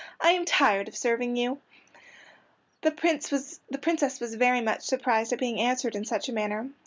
I am tired of serving you." The Princess was very much surprised at being answered in such a manner.